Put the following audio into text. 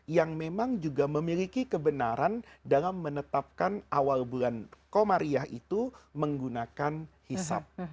yang memang juga memiliki kebenaran dalam menetapkan awal bulan komariah itu menggunakan hisap